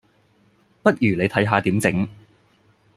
不如你睇下點整